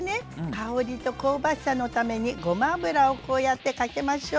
香りと香ばしさのためにごま油をこうやってかけましょう。